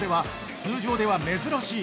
◆通常では珍しい。